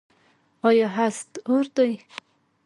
آیا حسد اور دی؟